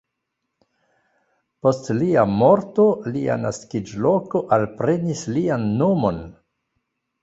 Post lia morto lia naskiĝloko alprenis lian nomon.